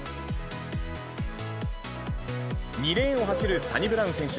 ２レーンを走るサニブラウン選手。